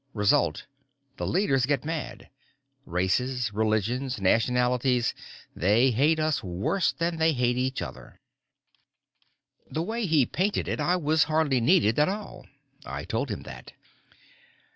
Result: the leaders get mad. Races, religions, nationalities, they hate us worse than they hate each other." The way he painted it, I was hardly needed at all. I told him that.